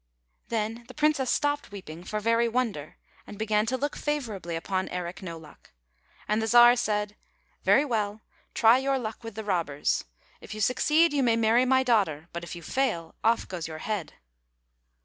Then the Princess stopped weeping, for very wonder, and began to look favorably upon Eric No Luck; and the Czar said, " Very well; try your luck with the robbers. If you succeed, you may marry my daugh ter; but if you fail, off goes your head."